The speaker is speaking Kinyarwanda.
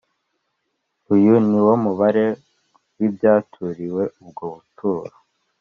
Uyu ni wo mubare w’ibyaturiwe ubwo buturo